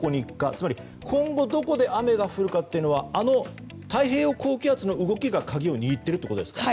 つまり今後どこで雨が降るかというのはあの太平洋高気圧の動きが鍵を握っているということですか？